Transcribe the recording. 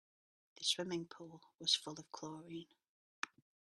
The swimming pool was full of chlorine.